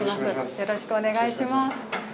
よろしくお願いします。